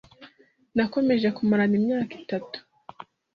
Nakomeje kumarana imyaka itatu.